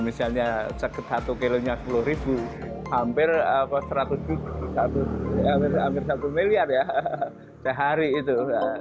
misalnya sekitar satu kgnya sepuluh hampir seratus juta hampir satu miliar ya sehari itu